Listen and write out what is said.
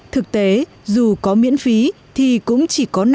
thực tế dù có miễn phí nhưng em cũng có thể tham gia thí sinh